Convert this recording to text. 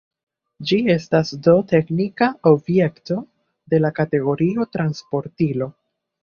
Ĝi estas do teknika objekto, de la kategorio «transportilo».